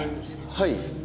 はい。